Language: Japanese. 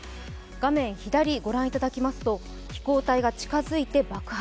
画面左ご覧いただきますと飛行体が近づいて爆発。